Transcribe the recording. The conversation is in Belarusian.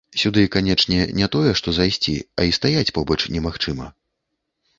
Сюды, канечне, не тое, што зайсці, а і стаяць побач немагчыма.